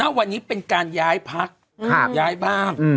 วันนี้เป็นการย้ายพักย้ายบ้าง